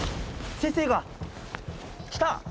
先生が来た！